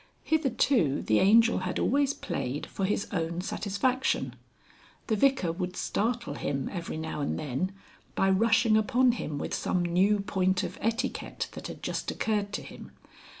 Hitherto the Angel had always played for his own satisfaction. The Vicar would startle him every now and then by rushing upon him with some new point of etiquette that had just occurred to him.